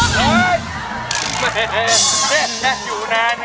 อยู่นานไม่อยู่นาน